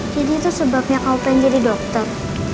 jadi itu sebabnya kamu pengen jadi dokter